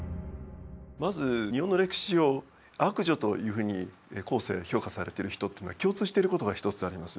まず日本の歴史上悪女というふうに後世評価されてる人っていうのは共通してることが一つあります。